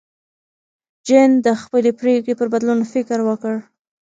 جین د خپلې پرېکړې پر بدلون فکر وکړ.